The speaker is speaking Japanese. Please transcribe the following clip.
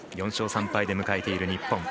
４勝３敗で迎えている日本。